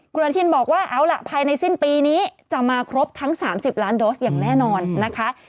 คุณอนุทินบอกว่าเอาล่ะภายในสิ้นปีนี้จะมาครบทั้ง๓๐ล้านโดสอย่างแน่นอนนะคะ